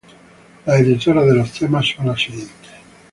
Las editoras de los temas son las siguientes.